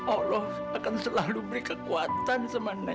allah akan selalu beri kekuatan sama nek